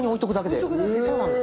そうなんです。